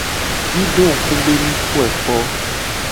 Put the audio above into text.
Mi do ngku be mi kpoe kpo.